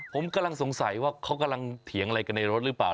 ผมกำลังสงสัยว่าเขากำลังเถียงอะไรกันในรถหรือเปล่า